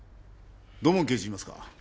土門刑事いますか？